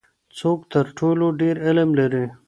څوک تر ټولو ډیر علم لري؟